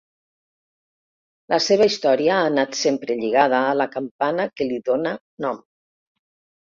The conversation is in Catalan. La seva història ha anat sempre lligada a la campana que li dóna nom.